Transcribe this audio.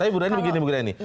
tapi bu reni begini bu reni